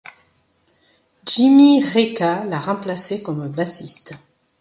Jimmy Recca l'a remplacé comme bassiste.